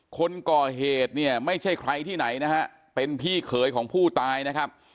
คนก่อเหตุเนี่ยไม่ใช่ใครที่ไหนนะฮะเป็นพี่เขยของผู้ตายนะครับ